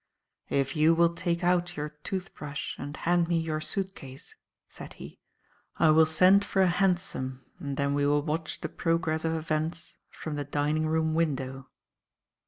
"If you will take out your toothbrush and hand me your suit case," said he, "I will send for a hansom, and then we will watch the progress of events from the dining room window."